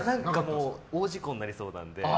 大事故になりそうなので。